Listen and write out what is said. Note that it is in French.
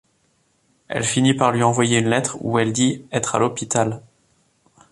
Elle finit par lui envoyer une lettre, où elle dit être à l’hôpital.